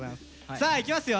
さあいきますよ。